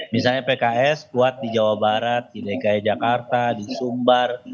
misalnya pks kuat di jawa barat di dki jakarta di sumbar